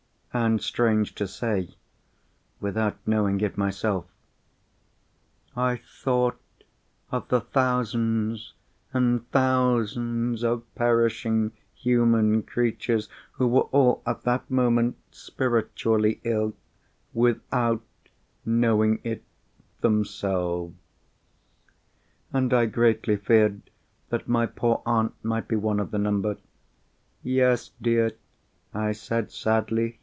"And, strange to say, without knowing it myself." I thought of the thousands and thousands of perishing human creatures who were all at that moment spiritually ill, without knowing it themselves. And I greatly feared that my poor aunt might be one of the number. "Yes, dear," I said, sadly.